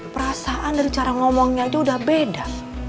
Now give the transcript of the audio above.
perasaan dari cara ngomongnya itu udah beda